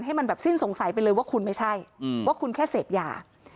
ให้มันแบบสิ้นสงสัยไปเลยว่าคุณไม่ใช่ว่าคุณแค่เสพยา